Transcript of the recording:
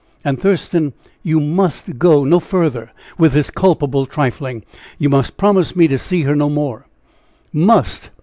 And, Thurston, you must go no further with this culpable trifling you must promise me to see her no more!" "'Must!'